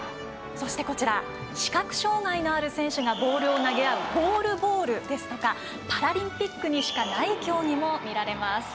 そして、視覚障がいのある選手がボールを投げ合うゴールボールですとかパラリンピックにしかない競技も見られます。